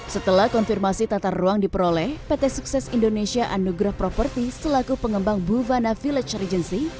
setelah konfirmasi tata ruang diperoleh pt sukses indonesia anugrah property selaku pengembang buvana village regency